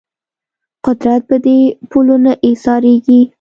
قدرت په دې پولو نه ایسارېږي